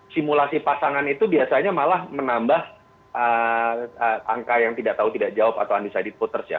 simulasi pasangan itu biasanya malah menambah angka yang tidak tahu tidak jawab atau undecided voters ya